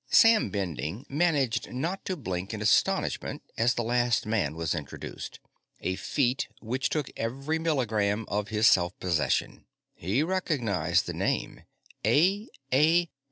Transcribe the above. Sam Bending managed not to blink in astonishment as the last man was introduced a feat which took every milligram of his self possession. He recognized the name; A. A.